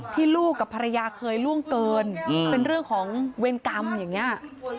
ลูกกับภรรยาเคยล่วงเกินเป็นเรื่องของเวรกรรมอย่างนี้